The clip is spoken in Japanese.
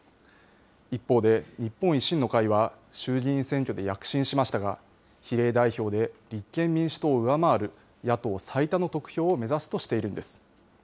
一方で、日本維新の会は衆議院選挙で躍進しましたが、比例代表で立憲民主党を上回る野党最多の得票を目指すとしているんです。